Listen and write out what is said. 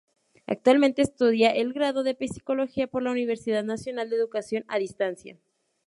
Actualmente estudia el Grado de Psicología por la Universidad Nacional de Educación a Distancia.